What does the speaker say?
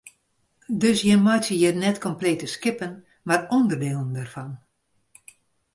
Dus jim meitsje hjir net komplete skippen mar ûnderdielen dêrfan?